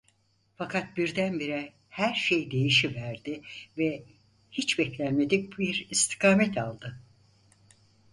Fakat birdenbire her şey değişiverdi ve hiç beklenmedik bir istikamet aldı.